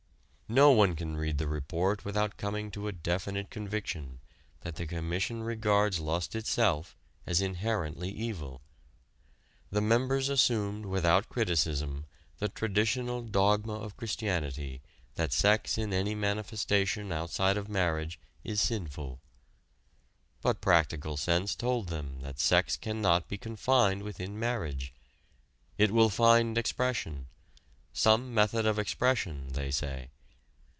No one can read the report without coming to a definite conviction that the Commission regards lust itself as inherently evil. The members assumed without criticism the traditional dogma of Christianity that sex in any manifestation outside of marriage is sinful. But practical sense told them that sex cannot be confined within marriage. It will find expression "some method of expression" they say.